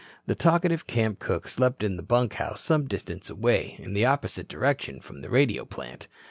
The talkative camp cook slept in the bunkhouse some distance away, in the opposite direction from the radio plant.